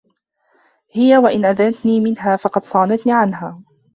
هِيَ وَإِنْ أَدْنَتْنِي مِنْهَا فَقَدْ صَانَتْنِي عَنْهَا